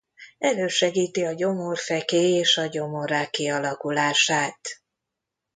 Elősegíti a gyomorfekély és a gyomorrák kialakulását.